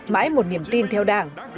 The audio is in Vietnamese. mãi một niềm tin theo đảng